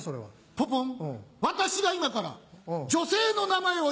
ポポン！